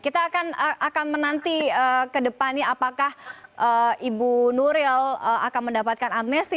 kita akan menanti ke depannya apakah ibu nuril akan mendapatkan amnesti